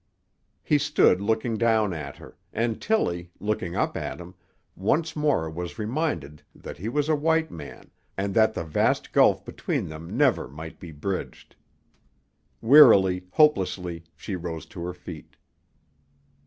He stood looking down at her, and Tillie, looking up at him, once more was reminded that he was a white man and that the vast gulf between them never might be bridged. Wearily, hopelessly, she rose to her feet.